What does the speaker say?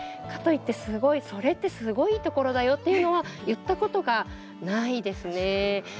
かといってすごいそれってすごいいいところだよっていうのは言ったことがないですね。